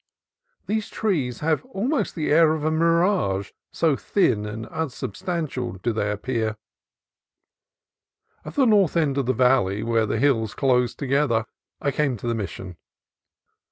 These trees have almost the air of a mirage, so thin and unsubstantial do they appear. At the north end of the valley, where the hills closed together, I came to the Mission.